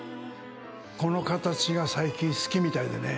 この形が最近好きみたいでね。